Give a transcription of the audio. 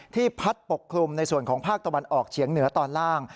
พัดปกคลุมในส่วนของภาคตะวันออกเฉียงเหนือตอนล่าง